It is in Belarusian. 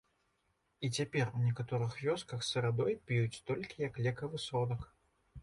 І цяпер у некаторых вёсках сырадой п'юць толькі як лекавы сродак.